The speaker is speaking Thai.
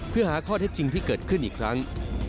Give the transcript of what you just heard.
เพื่อหาข้อเท็จจริงที่เกิดขึ้นอีกครั้ง